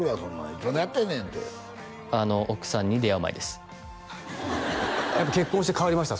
いつまでやってんねんってあの奥さんに出会う前です結婚して変わりました？